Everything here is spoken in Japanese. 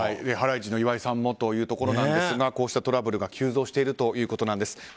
ハライチの岩井さんもというところなんですがこうしたトラブルが急増しているということなんです。